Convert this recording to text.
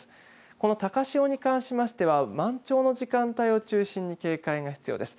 この高潮に関しては満潮の時間帯を中心に警戒が必要です。